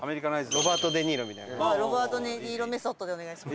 ロバート・デ・ニーロメソッドでお願いします。